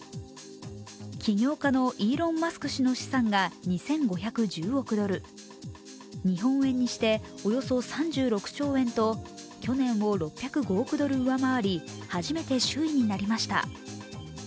起業家のイーロン・マスク氏の資産が２５１０億ドル、日本円にしておよそ３６兆円と去年を６０５億ドル上回り初めて首位になりました。